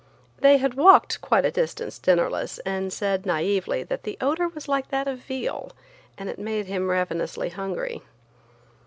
They had walked quite a distance, dinnerless, and said, naively, that the odor was like that of veal, and it made him ravenously hungry.